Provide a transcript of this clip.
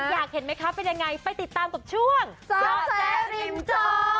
อยากเห็นไหมคะเป็นยังไงไปติดตามกับช่วงเจาะแจ๊ริมจอ